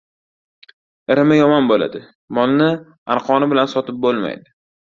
— Irimi yomon bo‘ladi. Molni arqoni bilan sotib bo‘lmaydi.